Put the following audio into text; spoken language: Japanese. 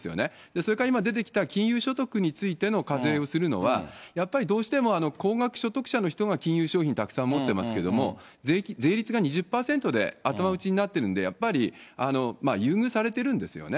それから今出てきた、金融所得についての課税をするのは、やっぱりどうしても高額所得者の人が、金融商品たくさん持ってますけれども、税率が２０％で頭打ちになってるんで、やっぱり優遇されてるんですよね。